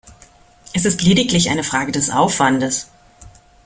Es ist lediglich eine Frage des Aufwandes.